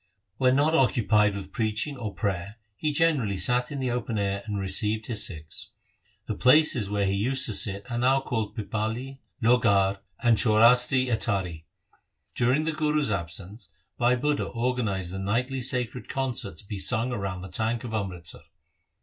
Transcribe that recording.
When not occupied with preaching or prayer, he generally sat in the open air and received his Sikhs. The places where he used to sit are now called Pipali, Lohgarh, and Chaurasti Atari. During the Guru's absence Bhai Budha organized a nightly sacred concert to be sung round the tank of Amritsar.